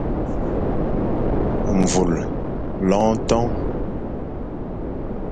Mvul, loñ ton.